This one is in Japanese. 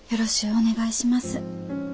お願いします。